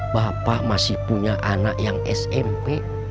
bapak masih punya anak yang smp